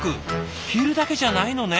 昼だけじゃないのね。